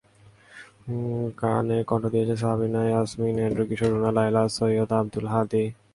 গানে কণ্ঠ দিয়েছেন সাবিনা ইয়াসমিন, এন্ড্রু কিশোর, রুনা লায়লা, সৈয়দ আব্দুল হাদী, কুমার বিশ্বজিৎ ও শামীমা ইয়াসমিন দিবা।